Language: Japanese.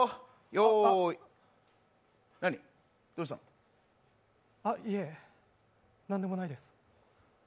用意いえ、何でもないです。